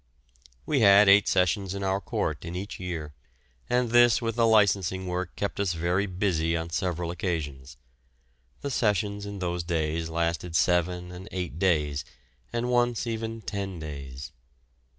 We had eight sessions in our court in each year, and this with the licensing work kept us very busy on several occasions. The sessions in those days lasted seven and eight days, and once even ten days.